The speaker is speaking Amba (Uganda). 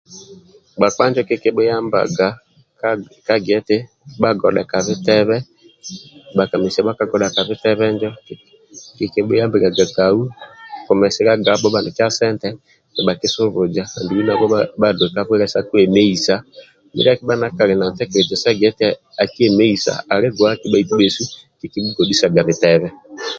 Bhakpa injo kikibhuyambaga ka ka gia eti bhagodhe ka bitebe bhakamesia injo kikibhuyambiliaga kau kumesiliagabho bhanikia sente nibhakisubuza andulu nabho bhaduwe ka kola sa kwemeisa mindia akibha ndia kali na ntekeleza sa gia eti akwemeisa ali guaki bhaitu bhesu kikibhugohisaga bitebe